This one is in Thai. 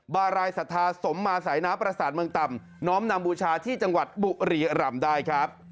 บารายศรัทธาสมมาสายน้ำประสาทเมืองต่ำน้อมนำบูชาที่จังหวัดบุรีรำได้ครับ